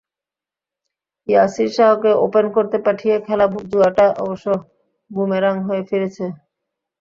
ইয়াসির শাহকে ওপেন করতে পাঠিয়ে খেলা জুয়াটা অবশ্য বুমেরাং হয়ে ফিরেছে।